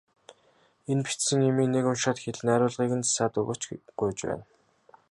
Энэ бичсэн юмыг нэг уншаад хэл найруулгыг нь засаад өгөөч, гуйж байна.